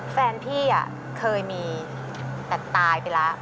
แฟนพี่เคยมีแต่ตายไปแล้ว